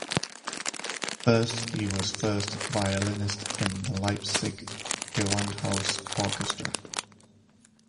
First he was first violinist in the Leipzig Gewandhaus Orchestra.